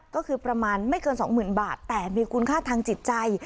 ก็คือประมาณไม่เกิน๒๐๐๐บาทแต่มีคุณค่าทางจิตใจ